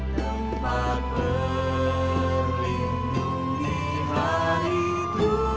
tempat berlindung di hari tua